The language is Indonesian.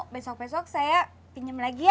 besok besok saya pinjam lagi ya